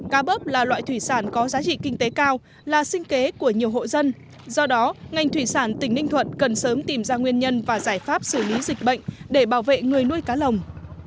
cá bớp là loại thủy sản có giá trị kinh tế cao là sinh kế của nhiều hộ dân do đó ngành thủy sản tỉnh ninh thuận cần sớm tìm ra nguyên nhân và giải pháp xử lý dịch bệnh để bảo vệ người nuôi cá lồng